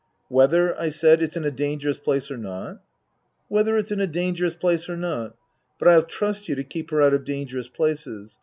" Whether," I said, " it's in a dangerous place or not ?"" Whether it's in a dangerous place or not. But I'll trust you to keep her out of dangerous places.